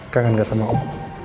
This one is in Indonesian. kangen gak sama om